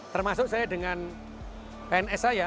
termasuk saya dengan pns saya